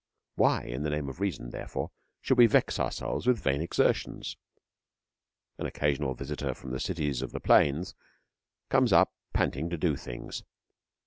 Why, in the name of Reason, therefore, should we vex ourselves with vain exertions? An occasional visitor from the Cities of the Plains comes up panting to do things.